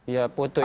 ya foto itu akan